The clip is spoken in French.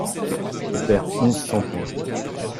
Tu perds onze cents points.